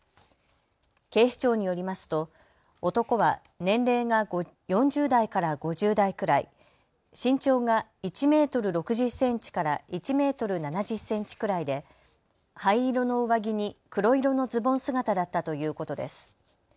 警視庁によりますと男は年齢が４０代から５０代くらい、身長が１メートル６０センチから１メートル７０センチくらいで、灰色の上着に黒色のズボン姿だったということです。